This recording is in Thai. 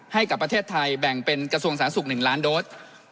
ให้กับประเทศไทยแบ่งเป็นกระทรวงสาธารณสุข๑ล้านโดส